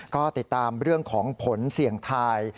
ก็ติดตามเรื่องของผลเสี่ยงทาย